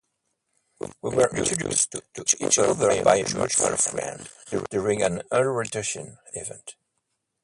We were introduced to each other by a mutual friend during an orientation event.